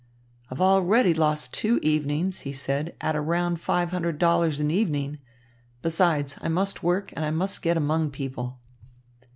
"I've already lost two evenings," he said, "at a round five hundred dollars an evening. Besides, I must work, I must get among people."